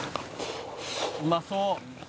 「うまそう！」